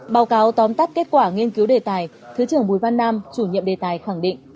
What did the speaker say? báo cáo tóm tắt kết quả nghiên cứu đề tài thứ trưởng bùi văn nam chủ nhiệm đề tài khẳng định